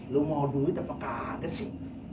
lu mau duit apa kaga sih